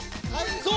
そう！